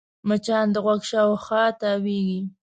مچان د غوږ شاوخوا تاوېږي